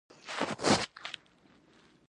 که څوک مرسته وغواړي، نو لار به ومومي.